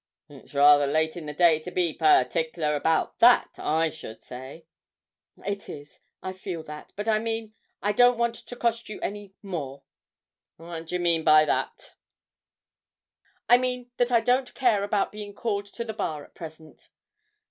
'It's rather late in the day to be partickler about that, I should say.' 'It is. I feel that; but I mean, I don't want to cost you any more.' 'What d'ye mean by that?' 'I mean that I don't care about being called to the Bar at present.'